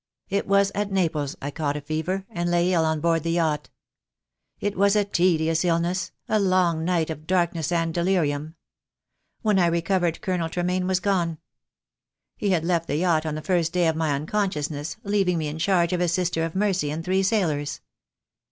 It was at Naples I caught a fever, and lay ill on board the yacht. It was a tedious illness, a long night of darkness and delirium. When I recovered Colonel Tremayne was gone. He had left the yacht on the first THE DAY WILL COME. 2 29 day of my unconsciousness, leaving me in charge of a sister of mercy and three sailors.